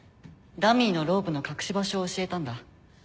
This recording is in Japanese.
ダミーのロープの隠し場所を教えたんだ。